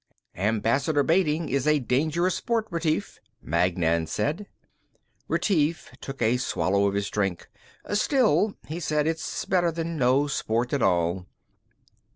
"Ambassador baiting is a dangerous sport, Retief," Magnan said. Retief took a swallow of his drink. "Still," he said, "it's better than no sport at all."